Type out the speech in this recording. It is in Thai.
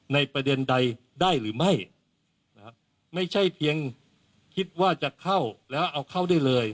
ประเด็นใดได้หรือไม่ไม่ใช่เพียงคิดว่าจะเข้าแล้วเอาเข้าได้เลย